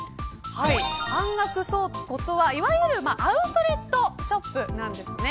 半額倉庫とは、いわゆるアウトレットショップなんです。